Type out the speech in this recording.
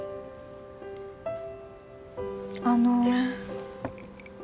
あの。